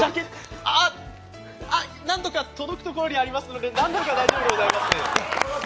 ああっ、なんとか届くところにありますので、何とか大丈夫でございます。